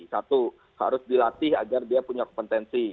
satu harus dilatih agar dia punya kompetensi